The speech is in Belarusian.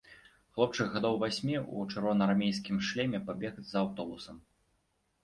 Хлопчык гадоў васьмі ў чырвонаармейскім шлеме пабег за аўтобусам.